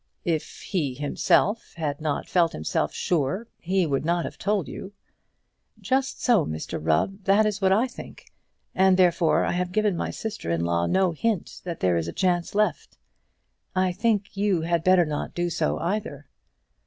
"If he himself had not felt himself sure, he would not have told you." "Just so, Mr Rubb. That is what I think; and therefore I have given my sister in law no hint that there is a chance left. I think you had better not do so either."